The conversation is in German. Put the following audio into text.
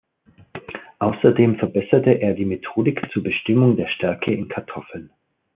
Außerdem verbesserte er die Methodik zur Bestimmung der Stärke in Kartoffeln.